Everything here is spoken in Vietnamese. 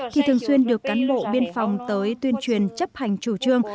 thì thường xuyên được cán bộ biên phòng tới tuyên truyền chấp hành chủ trương